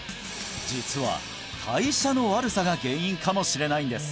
実は代謝の悪さが原因かもしれないんです